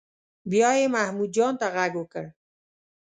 بیا یې محمود جان ته غږ وکړ.